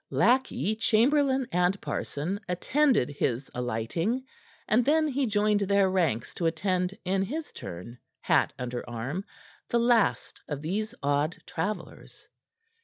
Lackey, chamberlain and parson attended his alighting, and then he joined their ranks to attend in his turn hat under arm the last of these odd travellers.